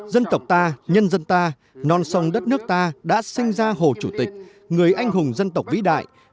dân tộc ta nhân dân ta non sông đất nước ta đã sinh ra hồ chủ tịch người anh hùng dân tộc vĩ đại